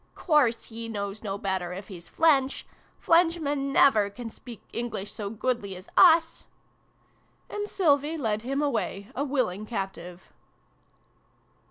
" Course he knows no better, if he's Flench ! Flenchmen never can speak English so goodly as us !" And Sylvie led him away, a willing captive.